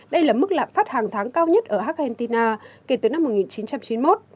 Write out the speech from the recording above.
đây là mức lạm phát hàng tháng cao nhất ở argentina kể từ năm một nghìn chín trăm chín mươi một